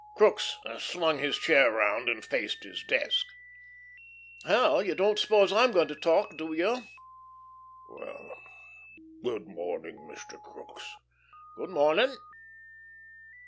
Crookes swung his chair around and faced his desk. "Hell! You don't suppose I'm going to talk, do you?" "Well.... Good morning, Mr. Crookes." "Good morning."